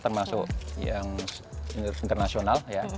termasuk yang internasional